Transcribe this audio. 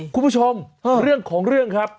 คุณผู้ชมเรื่องของเรื่องครับ